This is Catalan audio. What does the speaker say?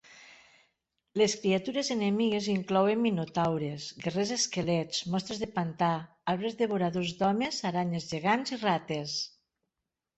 Les criatures enemigues inclouen minotaures, guerrers esquelets, monstres de pantà, arbres devoradors d'homes, aranyes gegants i rates.